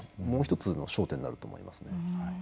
もう１つの焦点になると思います。